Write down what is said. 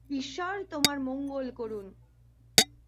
ঈশ্বর তোমার মঙ্গল করুন।